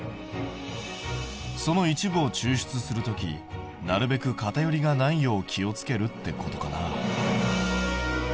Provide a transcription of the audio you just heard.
その一部を抽出する時なるべく偏りがないよう気をつけるってことかな。